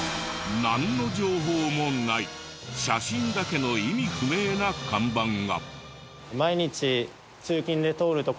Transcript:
なんの情報もない写真だけの意味不明な看板が。